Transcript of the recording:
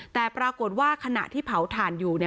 แต่ปรากฏว่าขณะที่เผาถ่านอยู่เนี่ย